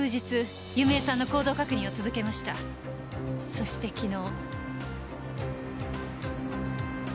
そして昨日。